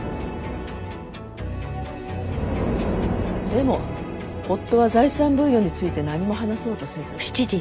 でも夫は財産分与について何も話そうとせず。